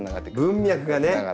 文脈がね！